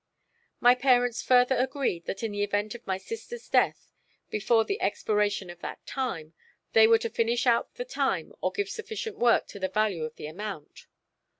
My parents further agreed that in the event of my sister's death before the expiration of that time, they were to finish out the time or give sufficient work to the value of the amount.